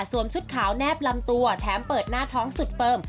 ชุดขาวแนบลำตัวแถมเปิดหน้าท้องสุดเฟิร์ม